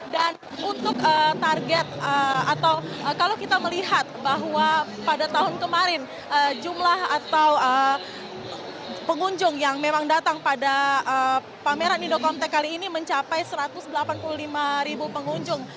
dan untuk target atau kalau kita melihat bahwa pada tahun kemarin jumlah atau pengunjung yang memang datang pada pameran indocom tektika ini mencapai satu ratus delapan puluh lima ribu pengunjung